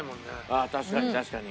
あっ確かに確かに。